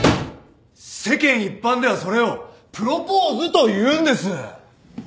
世間一般ではそれをプロポーズと言うんです。